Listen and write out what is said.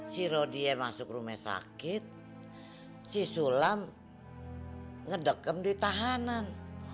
si rodia masuk rumah sakit si sulam ngedekem di tahanan